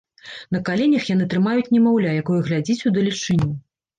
На каленях яны трымаюць немаўля, якое глядзіць удалечыню.